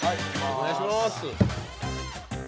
お願いします。